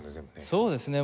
そうですね